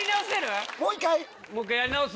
もう１回やり直す？